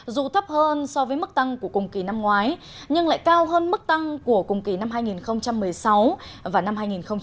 dù thấp hơn so với mức tăng của cùng kỳ năm ngoái nhưng lại cao hơn mức tăng của cùng kỳ năm hai nghìn một mươi sáu và năm hai nghìn một mươi bảy